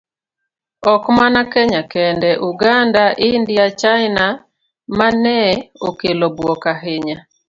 Ok mana kenya kende, Uganda, India, China, mane okelo buok ahinya.